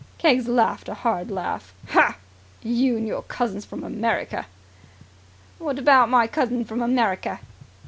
Keggs laughed a hard laugh. "You and your cousins from America!" "What about my cousins from America?"